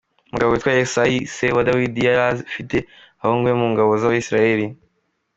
Umugabo witwaga Yesayi se wa Dawidi yari afite abahungu be mu ngabo z’Abisiraheli.